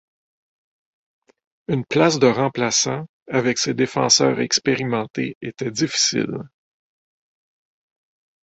Une place de remplaçant avec ses défenseurs expérimentés était difficile.